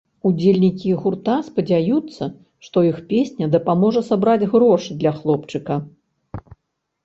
Удзельнікі гурта спадзяюцца, што іх песня дапаможа сабраць грошы для хлопчыка.